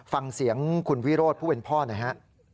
ฟังเสียงคุณวิโรธผู้เป็นพ่อหน่อยฮะ